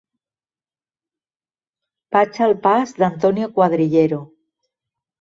Vaig al pas d'Antonio Cuadrillero.